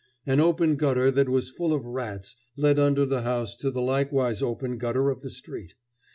An open gutter that was full of rats led under the house to the likewise open gutter of the street.